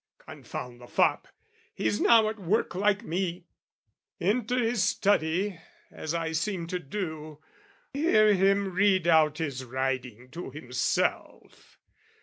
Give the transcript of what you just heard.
Confound the fop he's now at work like me: Enter his study, as I seem to do, Hear him read out his writing to himself!